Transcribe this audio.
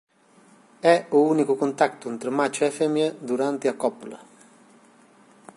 É o único contacto entre macho e femia durante a cópula.